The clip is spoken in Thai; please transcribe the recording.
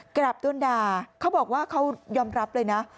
กลับโดนด่าเขาบอกว่าเขายอมรับเลยนะ